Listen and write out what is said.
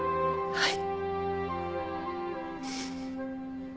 はい！